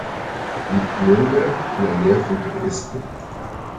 Liegt Nürnberg in der Nähe von Dresden?